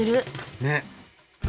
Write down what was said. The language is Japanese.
ねっ。